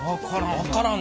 分からん。